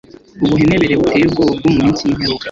ubuhenebere buteye ubwoba bwo mu minsi y'imperuka